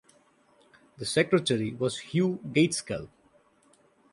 The secretary was Hugh Gaitskell.